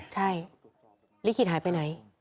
ใช่ลิขิตหายไปไหน